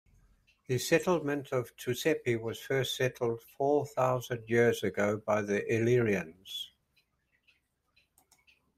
The settlement of Tucepi was first settled four thousand years ago by the Illyrians.